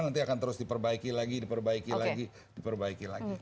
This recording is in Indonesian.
nanti akan terus diperbaiki lagi diperbaiki lagi diperbaiki lagi